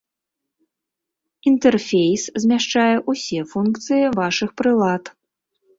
Інтэрфейс змяшчае ўсе функцыі вашых прылад.